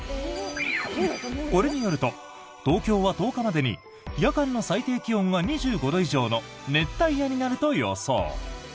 これによると東京は１０日までに夜間の最低気温が２５度以上の熱帯夜になると予想。